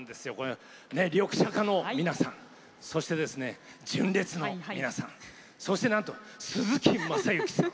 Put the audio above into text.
リョクシャカの皆さんそして、純烈の皆さんそして、鈴木雅之さん